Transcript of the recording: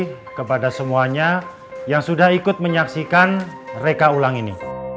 terima kasih kepada semuanya yang sudah ikut menyaksikan reka ulang ini